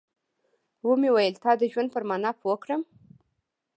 ومې ويل تا د ژوند پر مانا پوه کړم.